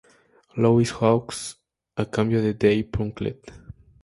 Louis Hawks a cambio de Dave Plunkett.